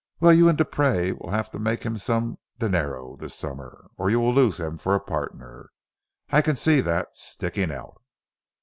Well, you and Dupree will have to make him some dinero this summer or you will lose him for a partner. I can see that sticking out."